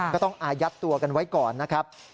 ก็ต้องอายัดตัวกันไว้ก่อนนะครับ